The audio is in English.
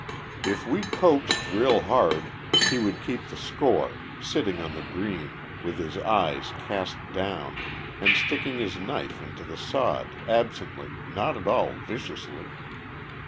If we coaxed real hard, lie would keep the score, sitting on the green, with his eyes cast down, and sticking his knife into the sod, absently, not at all viciously.